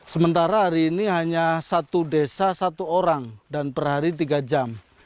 sementara hari ini hanya satu desa satu orang dan per hari tiga jam